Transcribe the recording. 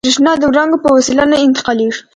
برېښنا د وړانګو په وسیله نه انتقالېږي.